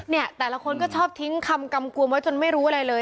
เนี่ยแต่ละคนก็ชอบทิ้งคำกำกวมไว้จนไม่รู้อะไรเลย